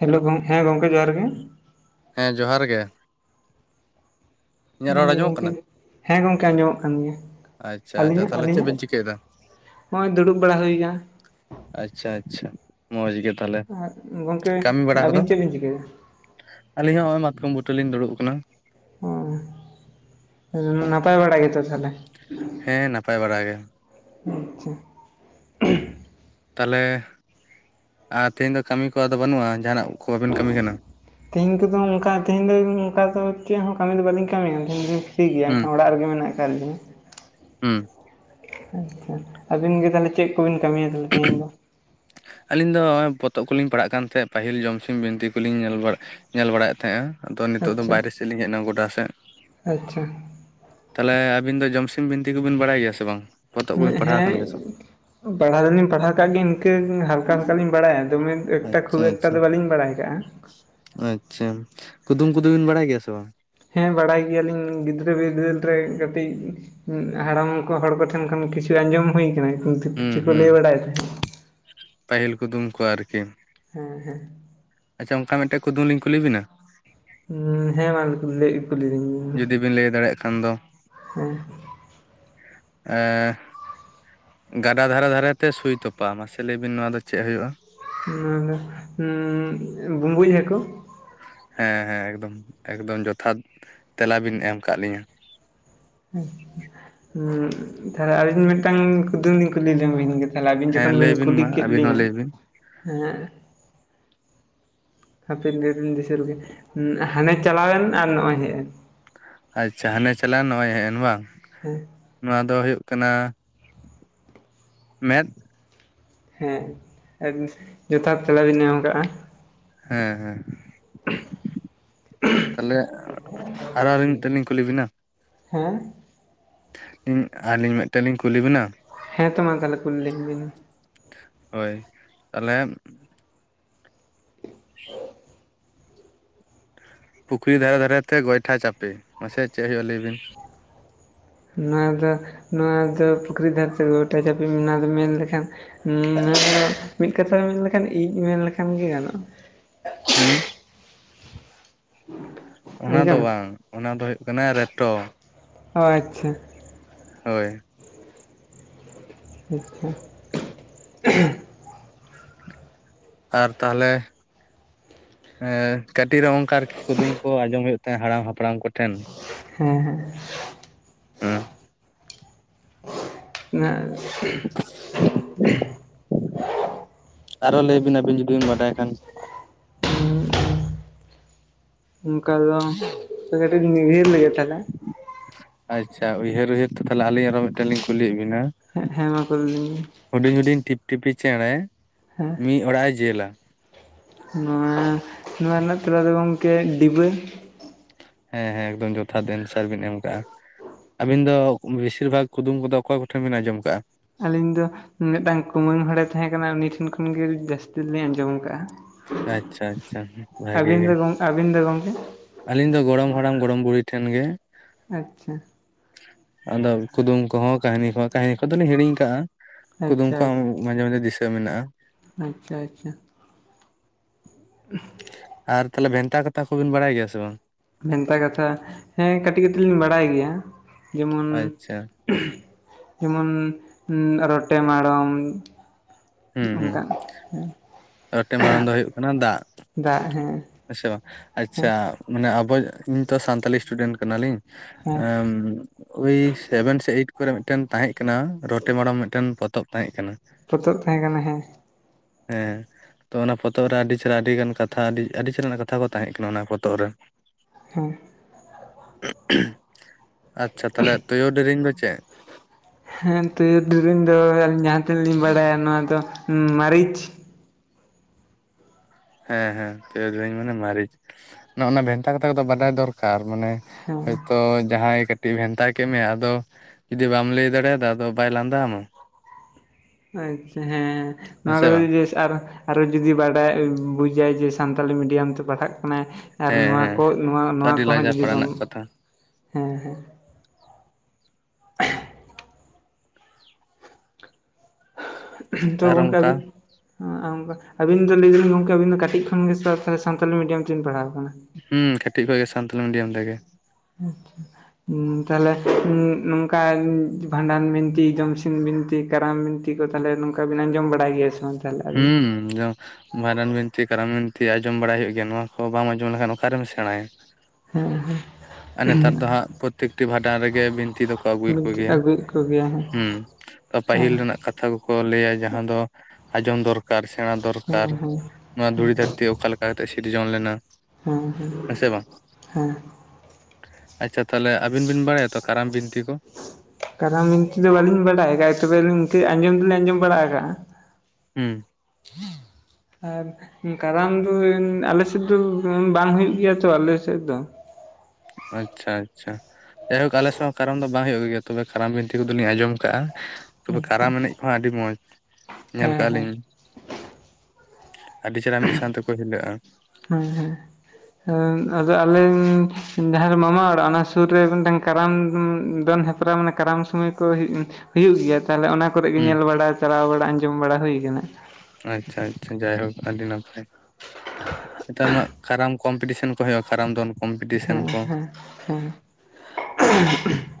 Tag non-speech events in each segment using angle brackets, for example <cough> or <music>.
Hello ᱜᱚᱸ ᱦᱮᱸ ᱜᱚᱢᱠᱮ ᱡᱚᱦᱟᱨ ᱜᱮ ᱾ ᱦᱮᱸ ᱡᱚᱦᱟᱨ ᱜᱮ ᱾ ᱨᱚᱲ ᱦᱩᱸ ᱟᱸᱡᱚᱢᱚᱜ ᱜᱚᱝᱠᱮ ᱠᱟᱱᱟ ᱦᱮᱸ ᱜᱚᱝᱠᱮ ᱟᱸᱡᱚᱢᱚᱜ ᱠᱟᱱ ᱜᱮᱭᱟ ᱾ ᱟᱪᱪᱷᱟ ᱟᱪᱪᱷᱟ ᱟᱞᱤᱧᱟᱜ ᱛᱟᱦᱚᱞᱮ ᱪᱮᱫ ᱟᱞᱤᱧᱟᱜ ᱵᱮᱱ ᱪᱤᱠᱟᱹᱭᱮᱫᱟ <inaudible> ᱦᱚᱸᱜᱼᱚᱭ ᱫᱩᱲᱩᱵ ᱵᱟᱲᱟ ᱦᱩᱭ ᱟᱠᱟᱱᱟ ᱾ ᱟᱪᱪᱷᱟ ᱟᱪᱪᱷᱟ ᱾ ᱢᱚᱡᱽ ᱜᱮ ᱛᱟᱦᱚᱞᱮ ᱟᱨ ᱜᱚᱢᱠᱮ <inaudible> ᱠᱟᱹᱢᱤ ᱵᱟᱲᱟ ᱠᱚᱫᱚ ᱟᱹᱵᱤᱱ ᱪᱮᱫ ᱵᱤᱱ ᱪᱤᱠᱟᱹᱭᱟ <inaudible> ᱟᱹᱞᱤᱧ ᱦᱚᱸ ᱱᱚᱜᱼᱚᱭ ᱢᱟᱛᱠᱚᱢ ᱵᱩᱴᱟᱹ ᱨᱮ ᱞᱤᱧ ᱫᱩᱲᱩᱵᱽ ᱟᱠᱟᱱᱟ ᱾ ᱚ <inaudible> ᱱᱟᱯᱟᱭ ᱵᱟᱲᱟ ᱜᱮᱛᱚ ᱛᱟᱦᱚᱞᱮ? ᱦᱮᱸ ᱱᱟᱯᱟᱭ ᱵᱟᱲᱟ ᱜᱮ ᱾ ᱟᱪᱪᱷᱟ ᱛᱟᱦᱚᱞᱮ <inaudible> ᱟᱨ ᱛᱮᱦᱤᱧ ᱫᱚ ᱠᱟᱹᱢᱤ ᱠᱚ ᱟᱫᱚ ᱵᱟᱹᱱᱩᱜᱼᱟ ᱡᱟᱦᱟᱱᱟᱜ ᱠᱚ ᱵᱟᱵᱮᱱ ᱠᱟᱹᱢᱤ ᱠᱟᱱᱟ? ᱛᱤᱦᱤᱧ ᱠᱚᱫᱚ ᱚᱱᱠᱟ ᱛᱮᱦᱤᱧ ᱫᱚ ᱚᱱᱠᱟ ᱫᱚ ᱪᱮᱫ ᱦᱚᱸ ᱠᱟᱹᱢᱤ ᱫᱚ ᱵᱟᱹᱞᱤᱧ ᱠᱟᱹᱢᱤᱭᱟ ᱛᱮᱦᱮᱧ ᱴᱷᱤᱠ ᱜᱮᱭᱟ ᱮᱱᱠᱷᱟᱱ ᱚᱲᱟᱜ ᱨᱮᱜᱮ ᱢᱮᱱᱟᱜ ᱟᱠᱟᱫ ᱞᱤᱧᱟ ᱾ ᱦᱮᱸ ᱾ ᱟᱪᱪᱷᱟ, ᱟᱹᱵᱤᱱ ᱜᱮ ᱛᱟᱦᱚᱞᱮ ᱪᱮᱫ ᱠᱚᱵᱤᱱ ᱠᱟᱹᱢᱤᱭᱟ ᱛᱟᱦᱚᱞᱮ ᱛᱮᱦᱮᱧ ᱫᱚ? ᱟᱹᱞᱤᱧ ᱫᱚ ᱱᱚᱜᱚᱭ ᱯᱚᱛᱚᱵ ᱠᱚᱞᱤᱧ ᱯᱟᱲᱦᱟᱜ ᱠᱟᱱ ᱛᱟᱦᱮᱸᱫ ᱯᱟᱹᱦᱤᱞ ᱡᱚᱢᱥᱤᱢ ᱵᱤᱱᱛᱤ ᱠᱚᱞᱤᱧ ᱧᱮᱞ ᱧᱮᱞ ᱵᱟᱲᱟᱭᱮᱫ ᱛᱟᱦᱮᱸᱫᱼᱟ ᱾ ᱟᱫᱚ ᱱᱤᱛᱳᱜ ᱫᱚ ᱟᱪᱪᱷᱟ ᱵᱟᱭᱨᱮ ᱥᱮᱫ ᱞᱤᱧ ᱦᱮᱡ ᱮᱱᱟ ᱜᱚᱰᱟ ᱥᱮᱫ ᱾ ᱟᱪᱪᱷᱟ ᱾ <inaudible> ᱛᱟᱦᱞᱮ ᱟᱹᱵᱤᱱ ᱫᱚ ᱡᱚᱢᱥᱤᱢ ᱵᱤᱱᱛᱤ ᱠᱚᱵᱤᱱ ᱵᱟᱲᱟᱭ ᱜᱮᱭᱟ ᱥᱮ ᱵᱟᱝ? ᱯᱚᱛᱚᱵ ᱠᱚᱵᱤᱱ ᱯᱟᱲᱦᱟᱣ ᱟᱠᱟᱱ ᱦᱮᱸ ᱜᱮᱭᱟ ᱥᱮ ᱵᱟᱝ? ᱯᱟᱲᱦᱟᱣ ᱫᱚᱞᱤᱧ ᱯᱟᱲᱦᱟᱣ ᱟᱠᱟᱜ ᱜᱮ ᱤᱱᱠᱟᱹ ᱦᱟᱞᱠᱟ ᱦᱟᱞᱠᱟ ᱞᱤᱧ ᱵᱟᱲᱟᱭᱟ ᱫᱚᱢᱮ ᱮᱠᱴᱟ ᱟᱪᱪᱷᱟ ᱠᱷᱩᱵ ᱮᱠᱴᱟ ᱟᱪᱪᱷᱟ ᱫᱚ ᱵᱟᱟᱹᱞᱤᱧ ᱵᱟᱲᱟᱭ ᱟᱠᱟᱜᱼᱟ᱾ ᱟᱪᱪᱷᱟ ᱠᱩᱫᱩᱢ ᱠᱩᱫᱩ ᱵᱤᱱ ᱵᱟᱲᱟᱭ ᱜᱮᱭᱟ ᱥᱮ ᱵᱟᱝ? ᱦᱮᱸ ᱵᱟᱲᱟᱭ ᱜᱮᱭᱟ ᱞᱤᱧ ᱜᱤᱫᱽᱨᱟᱹ ᱵᱤᱫᱟᱹᱞ ᱨᱮ ᱠᱟᱹᱴᱤᱡ ᱦᱟᱲᱟᱢ ᱠᱚ ᱦᱚᱲ ᱠᱚᱴᱷᱮᱱ ᱠᱷᱚᱱ ᱠᱤᱪᱷᱩ ᱟᱸᱡᱚᱢ ᱦᱩᱭ ᱟᱠᱟᱱᱟ, ᱠᱤᱱᱛᱩ ᱦᱩᱸ ᱠᱤᱪᱷᱩ ᱠᱚ ᱦᱩᱸ ᱞᱟᱹᱭ ᱵᱟᱲᱟᱭᱮᱫ ᱛᱟᱦᱮᱸᱫ᱾ ᱯᱟᱹᱦᱤᱞ ᱠᱩᱫᱩᱢ ᱠᱚ ᱟᱨᱠᱤ ᱦᱮᱸ ᱦᱮᱸ ᱟᱪᱪᱷᱟ ᱚᱱᱠᱟ ᱢᱤᱫᱴᱮᱱ ᱠᱩᱫᱩᱢ ᱞᱤᱧ ᱠᱩᱞᱤ ᱵᱮᱱᱟ᱾ ᱦᱮᱸ ᱦᱮᱸ ᱢᱟ ᱠᱩᱞᱤ ᱠᱩᱞᱤ ᱤᱫᱤᱧ ᱵᱤᱱ᱾ ᱡᱩᱫᱤ ᱵᱤᱱ ᱞᱟᱹᱭ ᱫᱟᱲᱮᱭᱟᱜ ᱠᱷᱟᱱ ᱫᱚ, ᱵᱤᱱ ᱮ ᱜᱟᱰᱟ ᱫᱷᱟᱨᱮ ᱫᱷᱟᱨᱮ ᱛᱮ ᱥᱩᱭ ᱛᱚᱯᱟ ᱢᱟᱥᱮ ᱞᱟᱹᱭ ᱵᱤᱱ ᱱᱚᱣᱟ ᱫᱚ ᱪᱮᱫ ᱦᱩᱭᱩᱜᱼᱟ? ᱱᱚᱣᱟ ᱫᱚ, ᱦᱩᱸ ᱵᱩᱸᱵᱩᱡ ᱦᱟᱹᱠᱩ᱾ ᱦᱮᱸ ᱦᱮᱸ ᱮᱠᱫᱚᱢ, ᱮᱠᱫᱚᱢ ᱡᱚᱛᱷᱟᱛ ᱛᱮᱞᱟ ᱵᱤᱱ ᱮᱢ ᱟᱠᱟᱫ ᱞᱤᱧᱟ᱾ ᱛᱟᱦᱚᱞᱮ ᱟᱞᱤᱧ ᱢᱤᱫᱴᱟᱝ ᱠᱩᱫᱩᱢ ᱞᱤᱧ ᱠᱩᱞᱤ ᱞᱮ ᱵᱤᱱ ᱜᱮ᱾ ᱛᱟᱦᱞᱮ ᱟᱹᱵᱤᱱ ᱦᱮᱸ ᱡᱚᱠᱷᱚᱱ ᱵᱤᱱ ᱞᱟᱹᱭ ᱠᱩᱞᱤ ᱢᱟ ᱠᱮᱫ ᱟᱹᱵᱤᱱ ᱦᱚᱸ ᱞᱤᱧᱟ, ᱞᱟᱹᱭ ᱵᱤᱱ ᱦᱮᱸ ᱦᱟᱯᱮᱱ ᱜᱤᱱ ᱫᱤᱥᱟᱹ ᱞᱮᱜᱮ ᱦᱟᱱᱮ ᱪᱟᱞᱟᱣᱮᱱ ᱟᱨ ᱱᱚᱜᱼᱚᱭ ᱦᱮᱡ ᱮᱱ? ᱟᱪᱪᱷᱟ ᱦᱟᱱᱮ ᱪᱟᱞᱟᱜᱼᱟ ᱮᱱ ᱱᱚᱜᱼᱚᱭ ᱦᱮᱡ ᱮᱱ ᱵᱟᱝ᱾ ᱦᱮᱸ ᱱᱚᱣᱟ ᱫᱚ ᱦᱩᱭᱩᱜ ᱠᱟᱱᱟ ᱢᱮᱫ᱾ ᱦᱮᱸ ᱡᱚᱛᱷᱟᱛ ᱛᱮᱞᱟᱵᱤᱱ ᱮᱢ ᱟᱠᱟᱜᱼᱟ᱾ ᱦᱮᱸ ᱦᱮᱸ ᱛᱟᱦᱞᱮ ᱟᱨ ᱟᱨ ᱢᱤᱫᱴᱮᱱ ᱞᱤᱧ ᱠᱩᱞᱤ ᱵᱤᱱᱟ᱾ ᱦᱮᱸ ᱤᱧ ᱟᱹᱞᱤᱧ ᱢᱤᱫᱴᱮᱱ ᱞᱤᱧ ᱠᱩᱞᱤ ᱵᱮᱱᱟ᱾ ᱦᱮᱸ ᱛᱳ ᱢᱟ ᱫᱮᱞᱟ ᱠᱩᱞᱤ ᱞᱤᱧ ᱵᱤᱱ᱾ ᱦᱳᱭ ᱛᱟᱦᱚᱞᱮ <inaudible> ᱯᱩᱠᱷᱨᱤ ᱫᱷᱟᱨᱮ ᱫᱷᱟᱨᱮ ᱫᱷᱟᱨᱮ ᱛᱮ ᱜᱚᱭᱴᱷᱟ ᱪᱟᱯᱮ ᱢᱟᱥᱮ ᱪᱮᱫ ᱦᱩᱭᱩᱜᱼᱟ ᱞᱟᱹᱭ ᱵᱤᱱ? ᱱᱚᱣᱟ ᱫᱚ ᱱᱚᱣᱟ ᱫᱚ ᱯᱩᱠᱷᱨᱤ ᱫᱷᱟᱨᱛᱮ ᱜᱚᱴᱟ ᱪᱟᱯᱮ ᱱᱚᱣᱟ ᱫᱚ ᱢᱮᱱ ᱞᱮᱠᱷᱟᱱ, ᱦᱮᱸ ᱢᱤᱫ ᱠᱟᱛᱷᱟ ᱢᱮᱱ ᱞᱮᱠᱷᱟᱱ ᱤᱡ ᱢᱮᱱ ᱞᱮᱠᱷᱟᱱ ᱜᱮ ᱜᱟᱱᱚᱜᱼᱟ᱾ ᱦᱩᱸ ᱚᱱᱟ ᱫᱚ ᱟᱸᱡᱚᱢ ᱵᱟᱝ, ᱚᱱᱟ ᱫᱚ ᱦᱩᱭᱩᱜ ᱠᱟᱱᱟ ᱨᱮᱴᱚ᱾ ᱚ ᱟᱪᱷᱟ᱾ ᱦᱳᱭ ᱟᱪᱪᱷᱟ᱾ ᱟᱨ ᱛᱟᱦᱚᱞᱮ ᱠᱟᱹᱴᱤᱡ ᱨᱮᱦᱚ ᱚᱱᱠᱟ ᱟᱨᱠᱤ ᱠᱩᱫᱩᱢ ᱠᱚ ᱟᱸᱡᱚᱢ ᱦᱩᱭᱩᱜ ᱛᱮ ᱦᱟᱲᱟᱢ ᱦᱟᱯᱲᱟᱢ ᱠᱚᱴᱷᱮᱱ᱾ ᱦᱮᱸ ᱦᱮᱸ ᱦᱩᱸ <inaudible> ᱟᱨᱦᱚ ᱞᱟᱹᱭ ᱵᱤᱱ ᱟᱵᱤᱱ ᱡᱩᱫᱤ ᱵᱤᱱ ᱵᱟᱰᱟᱭ ᱠᱷᱟᱱ᱾ ᱚᱱᱠᱟ ᱫᱚ ᱠᱟᱹᱴᱤᱡ ᱱᱤᱜᱮᱨ ᱞᱮᱜᱮ ᱛᱟᱦᱚᱞᱮ᱾ ᱟᱪᱷᱟ ᱩᱭᱦᱟᱹᱨ ᱩᱭᱦᱟᱹᱨ ᱛᱮ ᱛᱟᱦᱚᱞᱮ ᱟᱹᱞᱤᱧ ᱟᱨᱦᱚ ᱢᱤᱫᱴᱮᱱ ᱞᱤᱧ ᱠᱩᱞᱤᱭᱮᱫ ᱵᱮᱱᱟ᱾ ᱦᱮᱸ, ᱦᱮᱸ ᱢᱟ ᱠᱩᱞᱤ ᱞᱤᱧ ᱵᱤᱱ᱾ ᱦᱩᱰᱤᱧ ᱦᱩᱰᱤᱧ ᱴᱷᱤᱯ ᱴᱷᱤᱯᱤ ᱪᱮᱬᱮ ᱦᱮᱸ ᱢᱤᱫ ᱚᱲᱟᱜ ᱮ ᱡᱮᱞᱟ ᱾ ᱮᱸ ᱱᱚᱣᱟ ᱨᱮᱱᱟᱜ ᱛᱮᱞᱟ ᱫᱚ ᱜᱚᱝᱠᱮ ᱰᱤᱵᱟᱹ ᱾ ᱦᱮᱸ ᱦᱮᱸ ᱮᱠᱫᱚᱢ ᱡᱚᱛᱷᱟᱛ ᱟᱱᱥᱟᱨ ᱵᱤᱱ ᱮᱢ ᱟᱠᱟᱜᱼᱟ ᱾ ᱟᱹᱵᱤᱱ ᱫᱚ ᱵᱮᱥᱤᱨ ᱵᱷᱟᱜᱽ ᱠᱩᱫᱩᱢ ᱠᱚᱫᱚ ᱚᱠᱚᱭ ᱠᱚᱴᱷᱮᱱ ᱵᱤᱱ ᱟᱸᱡᱚᱢ ᱠᱟᱜᱼᱟ? ᱟᱹᱞᱤᱧ ᱫᱚ ᱢᱤᱫᱴᱟᱝ ᱠᱩᱢᱟᱹᱢ ᱦᱚᱲᱮ ᱛᱟᱦᱮᱸ ᱠᱟᱱᱟ ᱩᱱᱤ ᱴᱷᱮᱱ ᱠᱷᱚᱱ ᱜᱮ ᱡᱟᱹᱥᱛᱤ ᱫᱚᱞᱤᱧ ᱟᱸᱡᱚᱢ ᱟᱠᱟᱫᱼᱟ ᱾ ᱟᱪᱪᱷᱟ ᱟᱪᱪᱷᱟ ᱵᱷᱟᱜᱤ ᱜᱮ ᱾ ᱚᱱᱛᱮ ᱟᱹᱞᱤᱧ ᱫᱚ ᱜᱚᱲᱚᱢ ᱦᱟᱲᱟᱢ ᱜᱚᱲᱚᱢ ᱵᱩᱲᱦᱤ ᱴᱷᱮᱱ ᱜᱮ ᱟᱪᱪᱷᱟ ᱾ ᱟᱫᱚ ᱠᱩᱫᱩᱢ ᱠᱚᱦᱚᱸ ᱠᱟᱹᱦᱱᱤ ᱠᱚ ᱠᱟᱹᱦᱱᱤ ᱠᱚᱫᱚᱞᱤᱧ ᱦᱤᱲᱤᱧ ᱟᱠᱟᱫᱼᱟ, ᱠᱩᱫᱩᱢ ᱟᱪᱪᱷᱟ ᱠᱚ ᱟᱪᱪᱷᱟ ᱢᱟᱡᱷᱮ ᱢᱟᱡᱷᱮ ᱫᱤᱥᱟᱹ ᱢᱮᱱᱟᱜᱼᱟ ᱾ ᱟᱪᱪᱷᱟ ᱟᱪᱪᱷᱟ ᱟᱪᱷᱟ ᱾ <unintelligible> ᱟᱨ ᱛᱟᱦᱚᱞᱮ ᱵᱷᱮᱱᱛᱟ ᱠᱟᱛᱷᱟ ᱠᱚᱵᱤᱱ ᱵᱟᱲᱟᱭ ᱜᱮᱭᱟ ᱥᱮ ᱵᱟᱝ? ᱵᱷᱮᱱᱛᱟ ᱠᱟᱛᱷᱟ ᱦᱮᱸ ᱠᱟᱹᱴᱤᱡ ᱠᱟᱹᱴᱤᱡ ᱞᱤᱧ ᱵᱟᱲᱟᱭ ᱜᱮᱭᱟ ᱡᱮᱢᱚᱱ ᱟᱪᱪᱷᱟ ᱡᱮᱢᱚᱱ ᱨᱚᱴᱮ ᱢᱟᱲᱚᱢ ᱚᱱᱠᱟ ᱦᱮᱸ ᱾ ᱟᱚᱴᱮ ᱢᱟᱲᱟᱝ ᱫᱚ ᱦᱩᱭᱩᱜ ᱠᱟᱱᱟ ᱫᱟᱜ ᱫᱟᱜ ᱦᱮᱸ ᱾ ᱟᱪᱪᱷᱟ ᱦᱮᱸ ᱟᱪᱪᱷᱟ ᱢᱟᱱᱮ ᱟᱵᱚ ᱤᱧ ᱛᱚ ᱥᱟᱱᱛᱟᱞᱤ ᱤᱥᱴᱩᱰᱮᱱᱴ ᱠᱟᱱᱟᱞᱤᱧ, ᱦᱮᱸ ᱮ ᱳᱭ ᱥᱮᱵᱷᱮᱱ ᱥᱮ ᱮᱭᱤᱴ ᱠᱚᱨᱮ ᱢᱤᱫᱴᱮᱱ ᱛᱟᱦᱮᱸ ᱠᱟᱱᱟ ᱨᱚᱴᱮ ᱢᱟᱲᱟᱢ ᱢᱤᱫᱴᱮᱱ ᱯᱚᱛᱚᱵ ᱛᱟᱦᱮᱸ ᱠᱟᱱᱟ ᱾ ᱛᱚᱜ ᱛᱟᱦᱮᱸ ᱠᱟᱱᱟ ᱦᱮᱸ, ᱦᱮᱸ ᱾ ᱛᱚ ᱚᱱᱟ ᱯᱚᱛᱚᱵ ᱨᱮ ᱟᱹᱰᱤ ᱪᱮᱦᱨᱟ ᱟᱹᱰᱤᱜᱟᱱ ᱠᱟᱛᱷᱟ ᱟᱹᱰᱤ ᱟᱹᱰᱤ ᱪᱮᱦᱨᱟ ᱠᱟᱛᱷᱟ ᱠᱚ ᱛᱟᱦᱮᱸ ᱠᱟᱱᱟ ᱚᱱᱟ ᱯᱚᱛᱚᱵ ᱨᱮ ᱾ ᱦᱩᱸ ᱟᱪᱪᱷᱟ ᱛᱟᱞᱦᱮ ᱛᱩᱭᱩ ᱫᱮᱨᱤᱧ ᱫᱚ ᱪᱮᱫ? ᱦᱮᱸ ᱛᱩᱭᱩ ᱰᱮᱨᱤᱝ ᱫᱚ ᱟᱹᱞᱤᱧ ᱡᱟᱦᱟᱸ ᱛᱤᱱᱟᱹᱜ ᱞᱤᱧ ᱵᱟᱲᱟᱭᱟ ᱱᱚᱣᱟ ᱫᱚ ᱢᱟᱹᱨᱤᱪ ᱾ ᱦᱮᱸ ᱦᱮᱸ ᱛᱚᱭᱳ ᱫᱮᱨᱮᱧ ᱢᱟᱱᱮ ᱢᱟᱨᱤᱪ ᱱᱚ ᱚᱱᱟ ᱵᱷᱮᱱᱛᱟ ᱠᱟᱛᱷᱟ ᱠᱚᱫᱚ ᱵᱟᱰᱟᱭ ᱫᱚᱨᱠᱟᱨ ᱢᱟᱱᱮ ᱦᱮᱸ ᱦᱚᱳᱭᱛᱚ ᱡᱟᱦᱟᱸᱭ ᱠᱟᱹᱴ ᱠᱟᱴᱤᱡ ᱮ ᱵᱷᱮᱱᱛᱟ ᱠᱮᱫ ᱢᱮᱭᱟ ᱟᱫᱚ ᱡᱩᱫᱤ ᱵᱟᱢ ᱞᱟᱹᱭ ᱫᱟᱲᱮᱭᱟᱫᱟ ᱟᱫᱚ ᱵᱟᱭ ᱞᱟᱸᱫᱟ ᱟᱢᱟ ᱾ ᱟᱪᱪᱷᱟ ᱦᱮᱸ ᱦᱮᱸ ᱦᱮᱸ ᱱᱚᱣᱟ ᱥᱮ ᱵᱟᱝ ᱠᱚᱨᱮ <inaudible> ᱟᱨ ᱟᱨᱚ ᱡᱩᱫᱤ ᱵᱟᱰᱟᱭ ᱵᱩᱡᱟᱭ ᱡᱮ ᱥᱟᱱᱛᱟᱞᱤ ᱢᱤᱰᱤᱭᱟᱢ ᱛᱮ ᱯᱟᱲᱦᱟᱜ ᱟᱨ ᱦᱮᱸ ᱱᱚᱣᱟ ᱦᱮᱸ ᱠᱚ ᱱᱚᱣᱟ ᱱᱚᱣᱟ ᱟᱹᱰᱤ ᱠᱚᱦᱚᱸ ᱞᱟᱡᱟᱣ ᱡᱩᱫᱤ ᱯᱟᱲᱟ ᱵᱟᱢ ᱨᱮᱱᱟᱜ ᱠᱟᱛᱷᱟ ᱦᱮᱸ ᱦᱮᱸ ᱛᱚ ᱟᱨ ᱜᱟᱢᱠᱮ ᱚᱱᱠᱟ ᱟᱵᱤᱱ ᱚ ᱚᱱᱠᱟ ᱟᱹᱵᱤᱱ ᱫᱚ ᱞᱟᱹᱭ ᱫᱟᱞᱤᱧ ᱜᱚᱝᱠᱮᱵᱤᱱ ᱫᱚ ᱠᱟᱹᱴᱤᱡ ᱠᱷᱚᱱᱜ ᱥᱟᱱᱛᱟᱞᱤ ᱢᱰᱤᱭᱟᱢ ᱛᱮᱵᱤᱱ ᱯᱟᱲᱦᱟᱣ ᱟᱠᱟᱱᱟ ᱾ ᱦᱩᱸ ᱠᱟᱹᱴᱤᱡ ᱠᱷᱚᱡ ᱜᱮ ᱥᱟᱱᱛᱟᱞᱤ ᱢᱤᱰᱤᱭᱟᱢ ᱛᱮᱜᱮ ᱾ ᱟᱪᱪᱷᱟ ᱾ ᱛᱟᱦᱚᱞᱮ ᱱᱚᱝᱠᱟ ᱵᱷᱟᱸᱰᱟᱱ ᱵᱤᱱᱛᱤ ᱡᱚᱢᱥᱤᱢ ᱵᱤᱱᱛᱤ ᱠᱟᱨᱟᱢ ᱵᱤᱱᱛᱤ ᱛᱤ ᱠᱚ ᱛᱟᱦᱚᱞᱮ ᱱᱚᱝᱠᱟ ᱵᱤᱱ ᱟᱸᱡᱚᱢ ᱵᱟᱲᱟᱭ ᱜᱮᱭᱟ ᱥᱮ ᱵᱟᱝ? ᱛᱟᱦᱚᱞᱮ ᱟᱹᱵᱤᱱ? ᱦᱩᱸ ᱡᱚ ᱵᱷᱟᱰᱟᱱ ᱵᱤᱱᱛᱤ ᱠᱟᱨᱟᱢ ᱵᱤᱱᱛᱤ ᱟᱸᱡᱚᱢ ᱵᱟᱲᱟᱭ ᱦᱩᱭᱩᱜ ᱜᱮᱭᱟ ᱱᱚᱣᱟ ᱠᱚ ᱵᱟᱢ ᱟᱸᱡᱚᱢ ᱞᱮᱠᱷᱟᱱ ᱚᱠᱟᱨᱮᱢ ᱥᱮᱬᱟᱭᱟ ᱾ <unintelligible> ᱟᱨ ᱱᱮᱛᱟᱨ ᱫᱚ ᱦᱟᱸᱜ ᱯᱨᱚᱛᱮᱠᱴᱤ ᱵᱷᱟᱰᱟᱱ ᱨᱮᱜᱮ ᱵᱤᱱᱛᱤ ᱫᱚᱠᱚ ᱟᱹᱜᱩᱭᱮᱫ ᱠᱚᱜᱮᱭᱟ ᱾ ᱟᱹᱜᱩᱭᱮᱫ ᱠᱚᱜᱮᱭᱟ ᱦᱮᱸ ᱦᱩᱸ ᱯᱟᱹᱦᱤᱞ ᱨᱮᱱᱟᱜ ᱠᱟᱛᱷᱟ ᱠᱚᱠᱚ ᱞᱟᱹᱭᱟ ᱡᱟᱦᱟᱸ ᱫᱚ ᱟᱸᱡᱚᱢ ᱫᱚᱨ ᱠᱟᱨ ᱥᱮᱬᱟ ᱦᱮᱸ ᱫᱚᱨᱠᱟᱨ, ᱦᱮᱸ ᱱᱚᱣᱟ ᱫᱷᱩᱲᱤ ᱫᱷᱟᱹᱨᱛᱤ ᱚᱠᱟ ᱞᱮᱠᱟ ᱠᱟᱛᱮ ᱥᱤᱨᱡᱚᱱ ᱞᱮᱱᱟ ᱾ ᱦᱮᱸ ᱦᱮᱸ ᱦᱮᱸ ᱾ ᱟᱪᱪᱷᱟ ᱛᱟᱦᱚᱞᱮ ᱟᱵᱤᱱ ᱵᱤᱱ ᱵᱟᱲᱟᱭᱟ ᱛᱚ ᱠᱟᱨᱟᱢ ᱵᱤᱱᱛᱤ ᱠᱚ? ᱠᱟᱨᱟᱢ ᱵᱤᱱᱛᱤ ᱫᱚ ᱵᱟᱹᱞᱤᱧ ᱵᱟᱰᱟᱭ ᱠᱟᱜᱼᱟ, ᱛᱚᱵᱮ ᱟᱹᱧ ᱟᱸᱡᱚᱢ ᱫᱚᱞᱤᱧ ᱟᱸᱡᱚᱢ ᱵᱟᱲ ᱟᱠᱟᱜᱼᱟ᱾ ᱦᱩᱸ ᱾ ᱟᱨ ᱠᱟᱨᱟᱢ ᱫᱚ ᱟᱞᱮᱥᱮᱫ ᱫᱚ ᱵᱟᱝ ᱦᱩᱭᱩᱜ ᱜᱮᱭᱟ ᱛᱚ ᱟᱞᱮᱥᱮᱫ ᱫᱚ ᱾ ᱟᱪᱪᱷᱟ ᱟᱪᱪᱷᱟ ᱾ ᱡᱟᱭᱦᱳᱠ ᱟᱞᱮ ᱥᱚ ᱦᱚᱸ ᱠᱟᱨᱟᱢ ᱫᱚ ᱵᱟᱝ ᱦᱩᱭᱩᱜ ᱜᱮᱭᱟ᱾ ᱛᱚᱵᱮ ᱠᱟᱨᱟᱢ ᱵᱤᱱᱛᱤ ᱠᱚᱫᱚᱞᱤᱧ ᱟᱸᱡᱚᱢ ᱠᱟᱜᱼᱟ ᱾ ᱛᱚᱵᱮ ᱠᱟᱨᱟᱢ ᱮᱱᱮᱡ ᱠᱚᱦᱚᱸ ᱟᱹᱰᱤ ᱢᱚᱡᱽ ᱧᱮᱞ ᱦᱮᱸ ᱠᱟᱜᱼᱟ ᱞᱤᱧ ᱾ ᱦᱮᱸ ᱟᱹᱰᱤ ᱪᱮᱦᱨᱟ ᱢᱤᱫ ᱥᱟᱶ ᱛᱮᱠᱚ ᱦᱤᱞᱟᱹᱜᱼᱟ ᱾ ᱦᱮᱸ ᱦᱮᱸ ᱾ ᱟᱫᱚ ᱟᱞᱤᱧ ᱡᱟᱦᱟᱸᱨᱮ ᱢᱟᱢᱟ ᱚᱲᱟᱜ ᱚᱱᱟ ᱥᱩᱨ ᱨᱮ ᱢᱤᱫᱴᱟᱝ ᱠᱟᱨᱟᱢ ᱫᱚᱱ ᱢᱟᱱᱮ ᱠᱟᱨᱟᱢ ᱥᱩᱢᱚᱭ ᱠᱚ ᱦᱩᱭᱩᱜ ᱜᱮᱭᱟ ᱾ ᱛᱟᱦᱚᱞᱮ ᱚᱱᱟ ᱠᱚᱨᱮ ᱜᱮ ᱦᱩᱸ ᱧᱮᱞ ᱵᱟᱲᱟ, ᱪᱟᱞᱟᱣ ᱵᱟᱲᱟ ᱟᱸᱡᱚᱢ ᱵᱟᱲᱟ ᱦᱩᱭ ᱟᱠᱟᱱᱟ ᱾ ᱟᱪᱪᱷᱟ ᱟᱪᱪᱷᱟ ᱡᱟᱭᱦᱳᱠ, ᱟᱹᱰᱤ ᱱᱟᱯᱟᱭ ᱱᱮᱛᱟᱨ ᱢᱟ ᱠᱟᱨᱟᱢ ᱠᱚᱢᱯᱤᱴᱤᱥᱮᱱ ᱠᱚ ᱦᱩᱭᱩᱜᱼᱟ ᱠᱟᱨᱟᱢ ᱫᱚᱱ? ᱠᱚᱢᱯᱤᱴᱤᱥᱮᱱ ᱦᱮᱸ ᱠᱚ ᱦᱮᱸ ᱦᱮᱸ ᱾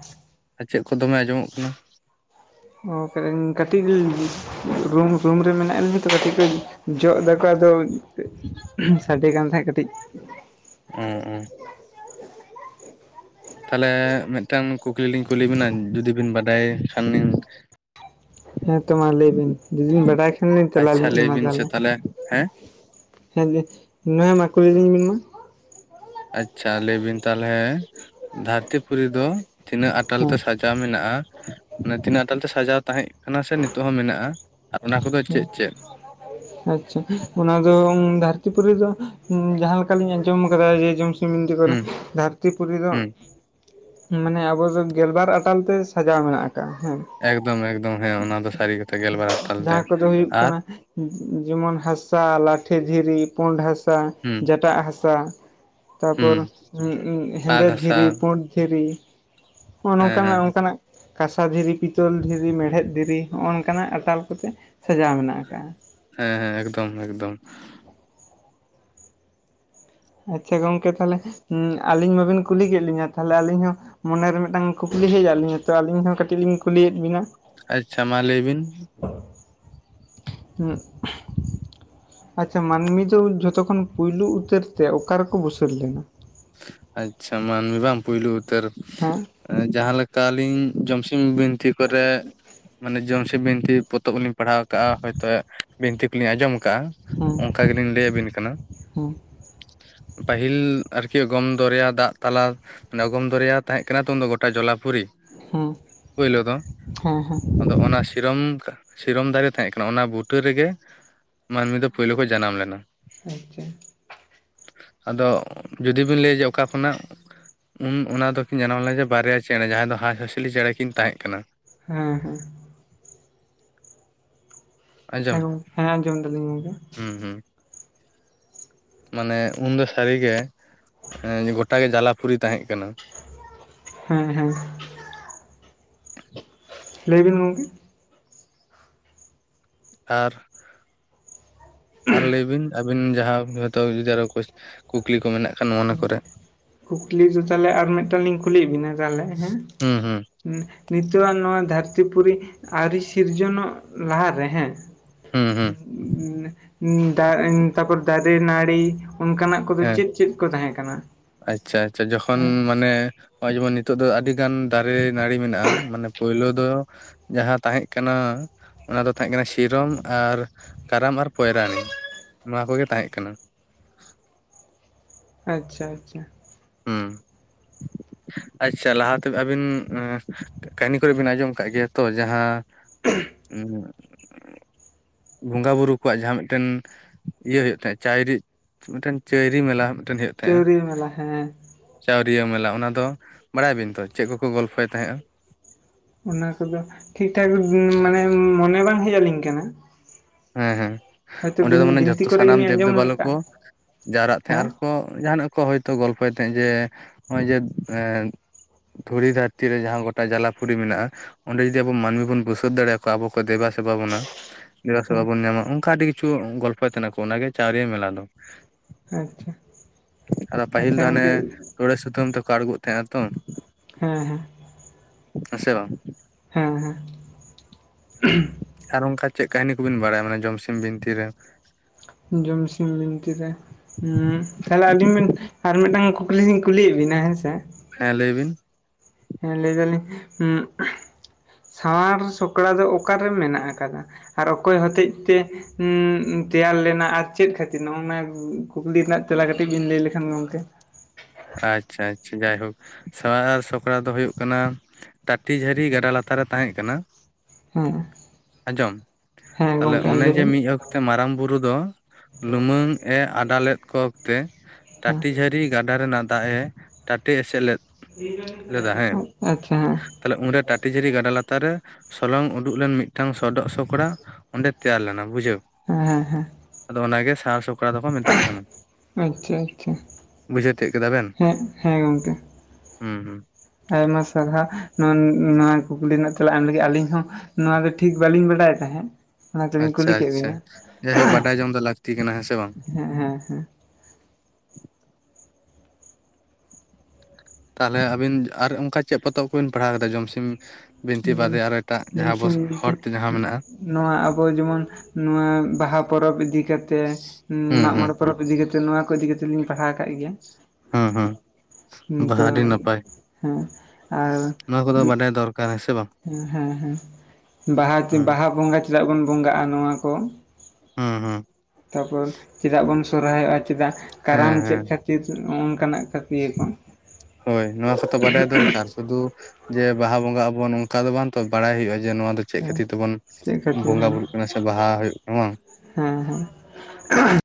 ᱟᱨ ᱪᱮᱫ ᱠᱚ ᱫᱚᱢᱮ ᱟᱸᱡᱚᱢᱚᱜ ᱠᱟᱱᱟ ᱾ ᱚ <unintelligible> ᱨᱩᱢ, ᱨᱩᱢ ᱨᱮ ᱢᱮᱱᱟᱜ ᱞᱤᱧᱟ ᱛᱚ, ᱠᱟᱹᱴᱤᱡ ᱠᱚ ᱡᱚᱜ ᱫᱟᱠᱚ ᱟᱫᱚ ᱥᱟᱸᱰᱮ ᱠᱟᱱ ᱛᱟᱦᱮᱸᱫ ᱠᱟᱹᱴᱤᱡ ᱩᱸ ᱩᱸ ᱛᱟᱦᱚᱞᱮ ᱢᱤᱫᱴᱟᱱ ᱠᱩᱠᱞᱤ ᱞᱤᱧ ᱠᱩᱞᱤ ᱵᱤᱱᱟ ᱡᱩᱫᱤ ᱵᱤᱱ ᱵᱟᱰᱟᱭ ᱠᱷᱟᱱ ᱵᱤᱱ ᱦᱮᱸ ᱛᱚ ᱢᱟ ᱞᱟᱹᱭ ᱵᱤᱱ, ᱡᱩᱫᱤᱱ ᱵᱟᱰᱟᱭ ᱠᱷᱟᱱ ᱞᱤᱧ ᱛᱮᱞᱟ ᱟᱪᱪᱷᱟ ᱞᱤᱧ ᱞᱟᱹᱭ ᱮᱢᱟ ᱵᱤᱱ ᱥᱮ ᱛᱟᱦᱚᱞᱮ ᱦᱮᱸ ᱦᱮᱸ ᱫᱤ ᱱᱚᱣᱟ ᱢᱟ ᱠᱩᱞᱤᱞᱤᱧ ᱵᱮᱱ ᱢᱟ ᱟᱪᱪᱷᱟ ᱞᱟᱹᱭ ᱵᱤᱱ ᱛᱟᱦᱚᱞᱮ ᱫᱷᱟᱹᱨᱛᱤ ᱯᱩᱨᱤ ᱫᱚ ᱛᱤᱱᱟᱹᱜ ᱟᱴᱟᱞ ᱛᱮ ᱦᱮᱸ ᱥᱟ ᱡᱟᱣ ᱢᱮᱱᱟᱜ-ᱟ᱾ ᱢᱟᱱᱮ ᱛᱤᱱᱟᱹᱜ ᱟᱴᱟᱞ ᱛᱮ ᱥᱟᱡᱟᱣ ᱛᱟᱦᱮᱸᱡ ᱠᱟᱱᱟ ᱥᱮ ᱱᱤᱛᱚᱜ ᱦᱚᱸ ᱥᱟᱡᱟᱣ ᱢᱮᱱᱟᱜᱼᱟ ᱾ ᱟᱨ ᱚᱱᱟ ᱠᱚᱫᱚ <inaudible> ᱟᱪᱪᱷᱟ ᱚᱱᱟ ᱫᱚ ᱫᱷᱟᱹᱨᱛᱤ ᱯᱩᱨᱤ ᱫᱚ ᱡᱟᱦᱟᱸ ᱞᱮᱠᱟᱞᱤᱧ ᱟᱸᱡᱚᱢ ᱠᱟᱫᱟ ᱡᱮ ᱡᱚᱢ ᱦᱩᱸ <unintelligible> ᱫᱷᱟᱹᱨᱛᱤ ᱯᱩᱨᱤ ᱫᱚ ᱦᱩᱸ ᱢᱟᱱᱮ ᱟᱵᱚ ᱫᱚ ᱜᱮᱞᱵᱟᱨ ᱟᱴᱟᱞ ᱛᱮ ᱥᱟᱡᱟᱣ ᱢᱮᱱᱟᱜ ᱟᱠᱟᱜ-ᱟ ᱦᱮᱸ ᱾ ᱮᱠᱫᱚᱢ ᱮᱠᱫᱚᱢ ᱦᱮᱸ ᱚᱱᱟ ᱫᱚ ᱥᱟᱹᱨᱤ ᱠᱟᱛᱷᱟ ᱜᱮᱞᱵᱟᱨ ᱟᱴᱟᱞ ᱛᱮ ᱡᱟᱦᱟᱸ ᱾ ᱠᱚᱫᱚ ᱦᱩᱭᱩᱜ ᱠᱟᱱᱟ ᱾ ᱡᱮᱢᱚᱱ ᱦᱟᱥᱟ ᱞᱟᱴᱷᱮ ᱫᱷᱤᱨᱤ ᱯᱳᱸᱰ ᱦᱟᱥᱟ ᱦᱩᱸ ᱡᱟᱴᱟᱜ ᱦᱟᱥᱟ ᱛᱟᱨᱯᱚᱨ ᱦᱩᱸ ᱩᱸ ᱦᱮᱸᱫᱮ ᱯᱟᱸᱠ ᱦᱟᱥᱟ ᱫᱷᱤᱨᱤ, ᱯᱩᱸᱰ ᱫᱷᱤᱨᱤ ᱦᱚᱸᱜ-ᱚᱸᱴ ᱦᱮᱸ ᱱᱚᱝᱠᱟ ᱱᱟᱜ ᱦᱮᱸ ᱚᱝᱠᱟ ᱱᱟᱜ ᱠᱟᱸᱥᱟ ᱫᱷᱤᱨᱤ, ᱯᱤᱛᱚᱞ ᱫᱷᱤᱨᱤ, ᱢᱮᱲᱦᱮᱫ ᱫᱷᱤᱨᱤ ᱦᱚᱜ-ᱚ ᱱᱚᱝᱠᱟ ᱱᱟᱜ ᱟᱴᱟᱞ ᱠᱚᱛᱮ ᱥᱟᱡᱟᱣ ᱢᱮᱱᱟᱜ ᱟᱠᱟᱜ-ᱟ ᱾ ᱦᱮᱸ ᱦᱮᱸ ᱮᱠᱫᱚᱢ ᱮᱠᱫᱚᱢ ᱾ ᱟᱪᱪᱷᱟ ᱜᱚᱝᱠᱮ ᱾ ᱛᱟᱦᱚᱞᱮ ᱟᱹᱞᱤᱧ ᱢᱟᱵᱤᱱ ᱠᱩᱞᱤ ᱠᱮᱫ ᱠᱩᱣᱟ ᱛᱟᱦᱚᱞᱮ ᱟᱹᱞᱤᱧ ᱦᱚᱸ ᱢᱚᱱᱮᱨᱮ ᱢᱤᱫᱴᱟᱝ ᱠᱩᱠᱞᱤ ᱦᱮᱡ ᱟᱫᱚ ᱞᱤᱧᱟᱹ, ᱟᱹᱞᱤᱧ ᱛᱚ ᱟᱹᱞᱤᱧ ᱦᱚᱸ ᱠᱟᱹᱴᱤᱡ ᱞᱤᱧ ᱠᱩᱞᱤᱭᱮᱫ ᱵᱤᱱᱟ ᱟᱪᱪᱷᱟ ᱢᱟ ᱞᱟᱹᱭ ᱵᱤᱱ <inaudible> ᱟᱪᱪᱷᱟ ᱢᱟᱹᱱᱢᱤ ᱫᱚ ᱡᱷᱚᱛᱚ ᱠᱷᱚᱱ ᱯᱳᱭᱞᱳ ᱩᱛᱟᱹᱨ ᱛᱮ ᱚᱠᱟ ᱨᱮᱠᱚ ᱵᱩᱥᱟᱹᱲ ᱞᱮᱱᱟ? ᱟᱪᱪᱷᱟ ᱢᱟᱹᱱᱢᱤ ᱵᱟᱝ ᱯᱩᱭᱞᱩ ᱩᱛᱟᱹᱨ ᱦᱮᱸ ᱮᱸ ᱡᱟᱦᱟᱸ ᱞᱮᱠᱟ ᱟᱹᱞᱤᱧ ᱡᱚᱢᱥᱤᱢ ᱵᱤᱱᱛᱤ ᱠᱚᱨᱮ ᱢᱟᱱᱮ ᱡᱚᱢᱥᱤᱢ ᱵᱤᱱᱛᱤ ᱯᱚᱛᱚᱵ ᱦᱚᱸᱞᱤᱧ ᱯᱟᱲᱦᱟᱣ ᱟᱠᱟᱜᱼᱟ ᱦᱚᱭᱛᱚ ᱵᱤᱱᱛᱤ ᱠᱚᱞᱤᱧ ᱟᱸᱡᱚᱢ ᱟᱠᱟᱜᱼᱟ᱾ ᱦᱮᱸ ᱚᱝᱠᱟ ᱜᱮᱞᱤᱧ ᱞᱟᱹᱭᱟᱵᱤᱱ ᱠᱟᱱᱟ, ᱯᱟᱹᱦᱤᱞ ᱟᱨᱠᱤ ᱚᱜᱚᱢ ᱫᱚᱨᱭᱟ ᱫᱟᱜ ᱛᱟᱞᱟ ᱚᱱᱮ ᱚᱜᱚᱢ ᱫᱚᱨᱭᱟ ᱛᱟᱦᱮᱸᱜ ᱠᱟᱱᱟ ᱛᱚ ᱩᱱᱫᱚ ᱜᱚᱴᱟ ᱡᱚᱞᱟᱯᱩᱨᱤ᱾ ᱦᱮᱸ ᱯᱳᱭᱞᱳ ᱫᱚ ᱦᱮᱸ ᱦᱮᱸ ᱦᱮᱸ ᱟᱫᱚ ᱚᱱᱟ ᱥᱤᱨᱚᱢ ᱥᱤᱨᱚᱢ ᱫᱟᱨᱮ ᱛᱟᱦᱮᱸᱜ ᱠᱟᱱᱟ ᱚᱱᱟ ᱵᱩᱴᱟᱹ ᱨᱮᱜᱮ ᱢᱟᱹᱱᱢᱤ ᱫᱚ ᱯᱳᱭᱞᱚ ᱠᱚ ᱡᱟᱱᱟᱢ ᱞᱮᱱᱟ᱾ ᱟᱪᱪᱷᱟ ᱟᱫᱚ ᱡᱩᱫᱤ ᱵᱤᱱ ᱞᱟᱹᱭᱟ ᱡᱮ ᱚᱠᱟ ᱠᱷᱚᱱᱟᱜ ᱩᱱ ᱚᱱᱟ ᱫᱚᱠᱤᱱ ᱡᱟᱱᱟᱣ ᱞᱮᱱᱟ ᱡᱮ ᱵᱟᱨᱭᱟ ᱪᱮᱬᱮ ᱡᱟᱦᱟᱸᱭ ᱫᱚ ᱦᱟᱸᱥᱼᱦᱟᱸᱥᱞᱤ ᱪᱮᱬᱮ ᱠᱤᱱ ᱛᱟᱦᱮᱸᱜ ᱠᱟᱱᱟ᱾ ᱦᱮᱸ ᱦᱮᱸ ᱟᱸᱡᱚᱢ ᱦᱮᱸ ᱜᱚᱝ ᱦᱮᱸ ᱟᱸᱡᱚᱢ ᱫᱟᱹᱞᱤᱧ ᱜᱚᱝᱠᱮ᱾ ᱦᱩᱸ ᱦᱩᱸ ᱢᱟᱱᱮ ᱩᱱᱫᱚ ᱥᱟᱹᱨᱤᱜᱮ ᱮᱸ ᱜᱚᱴᱟᱜᱮ ᱡᱟᱞᱟᱯᱩᱨᱤ ᱛᱟᱦᱮᱸᱜ ᱠᱟᱱᱟ᱾ ᱦᱮᱸ ᱦᱮᱸ ᱞᱟᱹᱭᱵᱤᱱ ᱜᱚᱝᱠᱮ? ᱟᱨ ᱟᱨ ᱞᱟᱹᱭ ᱵᱤᱱ ᱟᱹᱵᱤᱱ ᱡᱟᱦᱟᱸ ᱦᱚᱭᱛᱚ ᱡᱩᱫᱤ ᱠᱳᱥ ᱠᱩᱠᱞᱤ ᱠᱚ ᱢᱮᱱᱟᱜ ᱠᱷᱟᱱ ᱢᱚᱱᱮ ᱠᱚᱨᱮ? ᱠᱩᱠᱞᱤ ᱫᱚ ᱛᱟᱦᱞᱮ ᱟᱨ ᱢᱤᱫᱴᱟᱝ ᱞᱤᱧ ᱠᱩᱞᱤᱭᱮᱜ ᱵᱤᱱᱟ ᱛᱟᱦᱞᱮ ᱦᱮᱸ᱾ ᱦᱩᱸ ᱦᱩᱸ ᱱᱤ-ᱱᱤᱛᱚᱜᱼᱟᱜ ᱱᱚᱣᱟ ᱫᱷᱟᱹᱨᱛᱤ ᱯᱩᱨᱤ ᱟᱹᱣᱨᱤ ᱥᱤᱨᱡᱚᱱᱚᱜ ᱞᱟᱦᱟᱨᱮ ᱦᱮᱸ᱾ ᱦᱩᱸ ᱦᱩᱸ ᱦᱮᱸ ᱫᱟᱻ ᱛᱟᱯᱚᱨ ᱫᱟᱨᱮ ᱱᱟᱹᱲᱤ ᱚᱱᱠᱟᱱᱟᱜ ᱠᱩ ᱫᱚ ᱪᱮᱫ ᱪᱮᱫ? ᱠᱚ ᱛᱟᱦᱮᱸ ᱠᱟᱱᱟ ᱟᱪᱪᱷᱟ ᱟᱪᱪᱷᱟ ᱡᱚᱠᱷᱚᱱ ᱢᱟ ᱱᱮ ᱦᱚᱸᱜᱼᱚᱭ ᱡᱮᱢᱚᱱ ᱱᱤᱛᱚᱜ ᱫᱚ ᱟᱹᱰᱤ ᱜᱟᱱ ᱫᱟᱨᱮ ᱱᱟᱹᱲᱤ ᱢᱮᱱᱟᱜᱼᱟ, ᱢᱟᱱᱮ ᱯᱳᱭᱞᱳ ᱫᱚ ᱡᱟᱦᱟᱸ ᱛᱟᱦᱮᱸᱜ ᱠᱟᱱᱟ ᱚᱱᱟ ᱫᱚ ᱛᱟᱦᱮᱸᱜ ᱠᱟᱱᱟ ᱥᱤ ᱥᱤᱨᱚᱢ ᱟᱨ ᱠᱟᱨᱟᱢ ᱟᱨ ᱯᱚᱭᱨᱟᱱᱤ ᱱᱚᱣᱟ ᱠᱚᱜᱮ ᱛᱟᱦᱮᱸᱜ ᱠᱟᱱᱟ᱾ ᱟᱪᱪᱷᱟ ᱟᱪᱪᱷᱟ ᱦᱩᱸ ᱟᱪᱪᱷᱟ ᱞᱟᱦᱟᱛᱮ ᱟᱹᱵᱤᱱ ᱠᱟᱹᱦᱱᱤ ᱠᱚᱨᱮ ᱵᱤᱱ ᱟᱸᱡᱚᱢ ᱠᱟᱜ ᱜᱮᱭᱟ ᱛᱚ ᱡᱟᱦᱟᱸ ᱩᱸ ᱦᱩᱸᱜ ᱵᱚᱸᱜᱟ ᱵᱩᱨᱩ ᱠᱚᱣᱟᱜ ᱡᱟᱦᱟᱸ ᱢᱤᱫᱴᱮᱱ ᱤᱭᱟᱹ ᱦᱩᱭᱩᱜ ᱛᱟᱦᱮᱸᱜ ᱪᱟᱭᱨᱤ ᱢᱤᱫᱴᱮᱱ ᱪᱟᱹᱭᱨᱤ ᱢᱮᱞᱟ ᱪᱟᱹᱣᱨᱤᱭᱟᱹ ᱢᱮᱞᱟ ᱦᱮᱸ᱾ ᱪᱟᱹᱣᱨᱤᱭᱟᱹ ᱢᱮᱞᱟ ᱚᱱᱟ ᱫᱚ ᱵᱟᱲᱟᱭᱟᱵᱤᱱ ᱛᱚ ᱪᱮᱜ ᱠᱚᱠᱚ ᱜᱚᱞᱯᱷᱚᱭ ᱛᱟᱦᱮᱸᱜᱼᱟ? ᱚᱱᱟ ᱠᱚᱫᱚ ᱴᱷᱤᱠ ᱴᱷᱟᱠ ᱢᱟᱱᱮ ᱢᱚᱱᱮ ᱵᱟᱝ ᱦᱮᱜ ᱟᱹᱞᱤᱧ ᱠᱟᱱᱟ᱾ ᱦᱮᱸ ᱦᱮᱸ ᱦᱚᱭᱛᱳ ᱚᱸᱰᱮ ᱫᱚ ᱢᱟᱱᱮ ᱵᱤᱱᱛᱤ ᱡᱷᱚᱛᱚ ᱠᱚᱨᱮ ᱥᱟᱱᱟᱢ ᱜᱮᱞᱤᱧ ᱟᱸᱡᱚᱢ ᱫᱮᱵᱼᱫᱮᱵᱟᱞᱳᱠ ᱠᱟᱜᱼᱟ ᱠᱚ ᱡᱟᱣᱨᱟᱜ ᱛᱟᱦᱮᱸᱜᱼᱟ ᱦᱮᱸ ᱟᱨᱠᱚ ᱡᱟᱦᱟᱱᱟᱜ ᱠᱚ ᱦᱚᱭᱛᱚ ᱜᱚᱞᱯᱚᱭ ᱛᱟᱦᱮᱸᱜ ᱡᱮ ᱦᱚᱸᱜᱼᱚᱭ ᱡᱮ ᱮᱸ ᱫᱷᱩᱲᱤ ᱫᱷᱟᱹᱨᱛᱤ ᱨᱮ ᱡᱟᱦᱟᱸ ᱜᱚᱴᱟ ᱡᱟᱞᱟᱯᱩᱨᱤ ᱢᱮᱱᱟᱜᱼᱟ ᱚᱸᱰᱮ ᱡᱩᱫᱤ ᱟᱵᱚ ᱢᱟᱹᱱᱢᱤ ᱵᱚᱱ ᱵᱩᱥᱟᱹᱛ ᱫᱟᱲᱮᱭᱟᱠᱚᱣᱟ ᱟᱵᱚ ᱠᱚ ᱫᱮᱵᱟ ᱥᱮᱵᱟ ᱵᱚᱱᱟ᱾ ᱫᱮᱵᱟ ᱥᱮᱵᱟ ᱦᱮᱸ ᱵᱚᱱ ᱧᱟᱢᱟ ᱚᱝᱠᱟ ᱟᱹᱰᱤ ᱠᱤᱪᱷᱩ ᱜᱚᱞᱯᱚᱭ ᱛᱟᱦᱮᱱᱟ ᱠᱚ ᱚᱱᱟᱜᱮ ᱪᱟᱹᱣᱨᱤᱭᱟᱹ ᱢᱮᱞᱟ ᱫᱚ᱾ ᱟᱪᱪᱷᱟ ᱟᱫᱚ ᱯᱟᱹᱦᱤᱞ ᱟᱪᱪᱷᱟ ᱫᱚ ᱦᱟᱱᱮ ᱜᱚᱝᱠᱮ ᱛᱚᱲᱮ ᱥᱩᱛᱟᱹᱢ ᱛᱮᱠᱚ ᱟᱬᱜᱚᱜ ᱛᱟᱦᱮᱸᱜᱼᱟ ᱛᱚ᱾ ᱦᱮᱸ ᱦᱮᱸ ᱦᱮᱸ ᱥᱮ ᱵᱟᱝ? ᱦᱮᱸ ᱦᱮᱸ ᱟᱨ ᱚᱱᱠᱟ ᱪᱮᱫ ᱠᱟᱹᱦᱱᱤ ᱠᱚᱵᱤᱱ ᱵᱟᱲᱟᱭᱟ ᱢᱟᱱᱮ ᱡᱚᱢᱥᱤᱢ ᱵᱤᱱᱛᱤᱨᱮ ᱡᱚᱢᱥᱤᱢ ᱵᱤᱱᱛᱤ ᱨᱮ ᱾ ᱦᱩᱸ ᱛᱟᱦᱚᱞᱮ ᱟᱹᱞᱤᱧ ᱵᱮᱱ ᱟᱨ ᱢᱤᱫᱴᱟᱝ ᱠᱩᱠᱞᱤ ᱞᱤᱧ ᱠᱩᱞᱤᱭᱮᱫ ᱵᱤᱱᱟ ᱦᱮᱸ ᱥᱮ ᱾ ᱦᱮᱸ ᱞᱮᱭ ᱵᱤᱱ ᱦᱮᱸ ᱞᱟᱹᱭ ᱫᱟᱞᱤᱧ ᱥᱟᱶᱟᱨ ᱥᱚᱠᱲᱟ ᱫᱚ ᱚᱠᱟᱨᱮ ᱢᱮᱱᱟᱜ ᱟᱠᱟᱫᱟ? ᱟᱨ ᱚᱠᱚᱭ ᱦᱚᱛᱮᱡ ᱛᱮ ᱦᱩᱸ ᱛᱮᱭᱟᱨ ᱞᱮᱱᱟ ᱟᱨ ᱪᱮᱫ ᱠᱷᱟᱹᱛᱤᱨ ᱱᱚᱜᱼᱱᱚᱣᱟ ᱠᱩᱠᱞᱤ ᱨᱮᱱᱟᱜ ᱛᱮᱞᱟ ᱠᱟᱹᱴᱤᱡ ᱵᱤᱱ ᱞᱟᱹᱭ ᱞᱮᱠᱷᱟᱱ ᱜᱚᱝᱠᱮ ᱟᱪᱪᱷᱟ ᱟᱪᱪᱷᱟ ᱡᱟᱭᱦᱳᱠ ᱥᱟᱶᱟᱨ ᱥᱚᱠᱲᱟ ᱫᱚ ᱦᱩᱭᱩᱜ ᱠᱟᱱᱟ ᱴᱟᱴᱤ ᱡᱷᱟᱹᱨᱤ ᱜᱟᱸᱰᱟ ᱞᱟᱛᱟᱨ ᱨᱮ ᱛᱟᱦᱮᱸᱜ ᱠᱟᱱᱟ ᱦᱮᱸ ᱟᱸᱡᱚᱢ ᱦᱮᱸ ᱛᱟᱦᱚᱞᱮ ᱜᱚᱢᱠᱮ ᱚᱱᱮ ᱞᱟᱹᱭ ᱡᱮ ᱵᱤᱱ ᱢᱤᱫ ᱚᱠ ᱛᱮ ᱢᱟᱨᱟᱝ ᱵᱩᱨᱩ ᱫᱚ ᱞᱩᱢᱟᱹᱝ ᱮ ᱟᱰᱟ ᱞᱮᱫ ᱠᱚ ᱚᱠᱛᱮ ᱦᱮᱸ ᱴᱟᱴᱤ ᱡᱷᱟᱹᱨᱤ ᱜᱟᱸᱰᱟ ᱨᱮᱱᱟᱜ ᱫᱟᱜ ᱮ ᱴᱟᱴᱮ ᱮᱥᱮᱫ ᱞᱮᱫ ᱞᱮᱫᱟ ᱦᱮᱸ ᱟᱪᱪᱷᱟ ᱦᱮᱸ ᱛᱟᱦᱚᱞᱮ ᱚᱸᱰᱮ ᱴᱟᱴᱤ ᱡᱷᱟᱹᱨᱤ ᱜᱟᱸᱰᱟ ᱞᱟ ᱛᱟᱨ ᱨᱮ ᱥᱚᱞᱚᱝ ᱩᱰᱩᱜ ᱞᱮᱱ ᱢᱤᱫᱴᱟᱝ ᱥᱚᱰᱚᱜ ᱥᱚᱠᱲᱟ ᱚᱸᱰᱮ ᱛᱮᱭᱟᱨ ᱞᱮᱱᱟ ᱵᱩᱡᱷᱟᱹᱣ ᱾ ᱦᱮᱸ ᱦᱮᱸ ᱦᱮᱸ ᱾ ᱟᱫᱚ ᱚᱱᱟᱜᱮ ᱥᱟᱶᱟᱨ ᱥᱚᱠᱲᱟ ᱫᱚᱠᱚ ᱢᱮᱛᱟᱜ ᱠᱟᱱᱟ ᱦᱮᱸ ᱟᱪᱪᱷᱟ ᱟᱪᱪᱷᱟ ᱵᱩᱡᱷᱟᱹᱣ ᱛᱮ ᱦᱮᱸ ᱦᱮᱸ ᱜᱚᱝᱠᱮ ᱾ ᱦᱩᱸ ᱦᱩᱸ ᱾ ᱟᱭᱢᱟ ᱥᱟᱨᱦᱟᱣ ᱱᱚᱣᱟ ᱠᱩᱠᱞᱤ ᱨᱮᱱᱟᱜ ᱛᱮᱞᱟ ᱮᱢ ᱞᱟᱹᱜᱤᱫ ᱟᱹᱞᱤᱧ ᱦᱚᱸ ᱱᱚᱣᱟ ᱫᱚ ᱴᱷᱤᱠ ᱵᱟᱹᱞᱤᱧ ᱵᱟᱰᱟᱭ ᱛᱟᱦᱮᱸᱫ ᱾ ᱟᱪᱪᱷᱟ ᱟᱪᱪᱷᱟ᱾ ᱡᱟᱭᱦᱳᱠ ᱵᱟᱰᱟᱭ ᱡᱚᱝ ᱫᱚ ᱞᱟᱹᱠᱛᱤ ᱠᱟᱱᱟ ᱦᱮᱸ ᱥᱮ ᱵᱟᱝ ᱾ ᱦᱮᱸ ᱦᱮᱸ ᱦᱮᱸ ᱾ ᱛᱟᱦᱚᱞᱮ ᱟᱹᱵᱤᱱ ᱟᱨ ᱚᱱᱠᱟ ᱪᱮᱫ ᱯᱚᱨᱚᱵᱽ ᱠᱚᱵᱤᱱ ᱯᱟᱲᱦᱟᱣ ᱠᱟᱫᱟ ᱡᱚᱢᱥᱤᱢ ᱵᱤᱱᱛᱤ ᱵᱟᱫᱮ ᱟᱨ ᱮᱴᱟᱜ ᱡᱟᱦᱟᱸ ᱟᱵᱚ ᱡᱚᱢᱥᱤᱢ ᱵᱤᱱᱛᱤ ᱦᱚᱲᱛᱮ ᱡᱟᱦᱟᱸ ᱢᱮᱱᱟᱜᱼᱟ ᱾ ᱱᱚᱣᱟ ᱟᱵᱚ ᱡᱮᱢᱚᱱ ᱱᱚᱣᱟ ᱵᱟᱦᱟ ᱯᱚᱨᱚᱵᱽ ᱤᱫᱤ ᱠᱟᱛᱮ ᱦᱩᱸ ᱢᱟᱜᱽ ᱦᱩᱸ ᱢᱚᱬᱮ ᱯᱚᱨᱚᱵᱽ ᱤᱫᱤ ᱠᱟᱛᱮ ᱱᱚᱣᱟ ᱠᱚ ᱤᱫᱤ ᱠᱟᱛᱮᱫ ᱞᱤᱧ ᱯᱟᱲᱦᱟᱣ ᱟᱠᱟᱫ ᱜᱮᱭᱟ᱾ ᱦᱮᱸ ᱦᱮᱸ ᱾ ᱵᱟ ᱛᱚ ᱟᱹᱰᱤ ᱱᱟᱯᱟᱭ ᱦᱮᱸ ᱟᱨ ᱱᱚᱣᱟ ᱠᱚᱫᱚ ᱵᱟᱰᱟᱭ ᱫᱚᱨᱠᱟᱨ ᱦᱮᱸ ᱥᱮ ᱵᱟᱝ ᱾ ᱦᱮᱸ ᱦᱮᱸ᱾ ᱵᱟᱦᱟ, ᱵᱟᱦᱟ ᱵᱚᱸᱜᱟ ᱪᱮᱫᱟᱜ ᱵᱚᱱ ᱵᱚᱸᱜᱟᱼᱟ ᱱᱚᱣᱟ ᱠᱚ ᱾ ᱦᱮᱸ ᱦᱮᱸ ᱾ ᱛᱟᱨᱯᱚᱨ ᱪᱮᱫᱟᱜ ᱵᱚᱱ ᱥᱚᱨᱦᱟᱭᱚᱜᱼᱟ, ᱪᱮᱫᱟᱜ ᱠᱟᱨᱟᱢ ᱪᱮᱫ ᱠᱷᱟᱹᱛᱤᱨ ᱦᱚᱸᱜ ᱚᱱᱠᱟᱱᱟᱜ ᱦᱩᱭ ᱾ ᱱᱚᱣᱟ ᱠᱚᱛᱚ ᱵᱟᱰᱟᱭ ᱫᱚᱨᱠᱟᱨ ᱾ ᱥᱩᱫᱷᱩ ᱡᱮ ᱵᱟᱦᱟ ᱵᱚᱸᱜᱟ ᱟᱵᱚᱱ ᱚᱱᱠᱟ ᱫᱚ ᱵᱟᱝ ᱛᱚ, ᱵᱟᱲᱟᱭ ᱦᱩᱭᱩᱜᱼᱟ ᱡᱮ ᱱᱚᱣᱟ ᱫᱚ ᱪᱮᱫ ᱦᱮᱸ ᱠᱷᱟᱹᱛᱤᱨ ᱛᱮᱵᱚᱱ ᱪᱮᱫ ᱠᱷᱟᱹᱛᱤᱨ ᱵᱚᱸᱜᱟ ᱦᱮᱸ ᱵᱩᱨᱩᱜ ᱠᱟᱱᱟ ᱥᱮ ᱵᱟᱦᱟ ᱦᱩᱭᱩᱜ ᱠᱟᱱᱟ ᱵᱟᱝ ᱾ ᱦᱮᱸ ᱦᱮᱸ ᱾